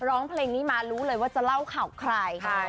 ร้องเพลงนี้มารู้เลยว่าจะเล่าข่าวใคร